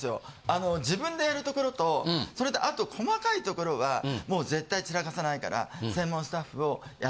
あの自分でやるところとそれとあと細かいところはもう絶対散らかさないから。